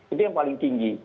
itu yang paling tinggi